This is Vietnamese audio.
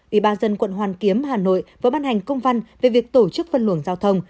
ủy ban dân quận hoàn kiếm hà nội vừa ban hành công văn về việc tổ chức phân luồng giao thông